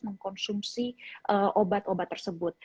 mengkonsumsi obat obat tersebut